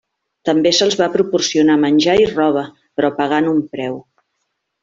També se'ls va proporcionar menjar i roba, però pagant un preu.